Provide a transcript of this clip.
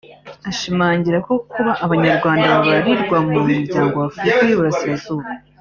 Ashimangira ko kuba Abanyarwanda babarirwa mu muryango wa Afurika y’Iburasirazuba